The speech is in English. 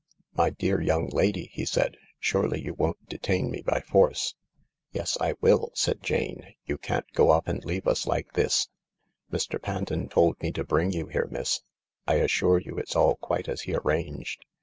"My dear young lady," he said, "surely you won't detain me by force ?" k'J^ 1 ^'" Sdd Jane " You can>t SO off and leave us like this/ " Mr. Panton told me to bring you here, miss. I assure you its all quite as he arranged.